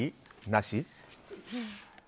なし？